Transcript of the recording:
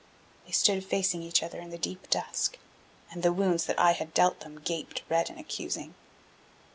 They stood facing each other in the deep dusk, and the wounds that I had dealt them gaped red and accusing.